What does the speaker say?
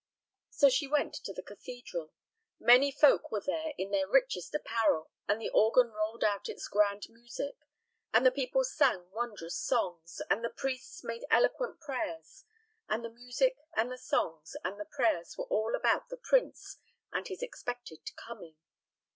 So she went to the cathedral. Many folk were there in their richest apparel, and the organ rolled out its grand music, and the people sang wondrous songs, and the priests made eloquent prayers; and the music, and the songs, and the prayers were all about the prince and his expected coming.